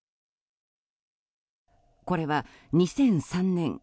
これは２００３年